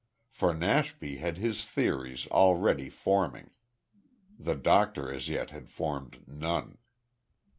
For Nashby had his theories already forming. The doctor as yet had formed none.